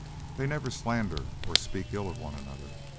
They never slander or speak ill of one another.